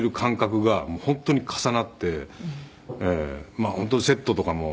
「まあ本当にセットとかもね」